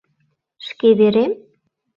Шке верем?..